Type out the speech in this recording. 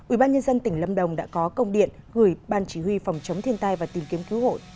ủy ban nhân dân tỉnh lâm đồng đã có công điện gửi ban chỉ huy phòng chống thiên tai và tìm kiếm cứu hội